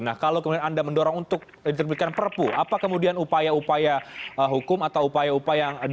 nah kalau kemudian anda mendorong untuk diterbitkan perpu apa kemudian upaya upaya hukum atau upaya upaya yang dilakukan